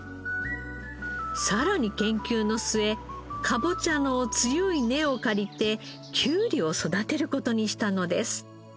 さらに研究の末かぼちゃの強い根を借りてきゅうりを育てる事にしたのです。